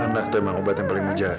anak tuh emang obat yang paling wujar